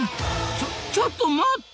ちょちょっと待った！